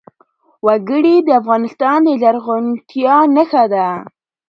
وګړي د افغانستان د زرغونتیا نښه ده.